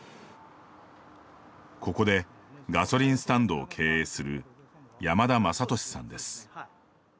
ここで、ガソリンスタンドを経営する山田正敏さんです。